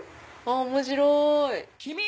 面白い。